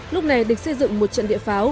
lúc này địch xây dựng một trận địa pháo